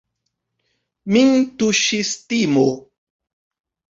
Min tuŝis timo.